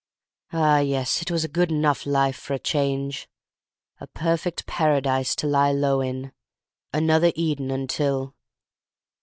Ah, yes, it was a good enough life for a change; a perfect paradise to lie low in; another Eden until....